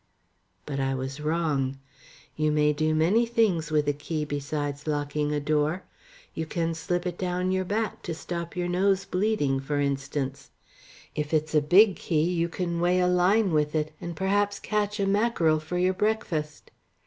But I was wrong. You may do many things with a key besides locking a door. You can slip it down your back to stop your nose bleeding, for instance; if it's a big key you can weigh a line with it, and perhaps catch a mackerel for your breakfast.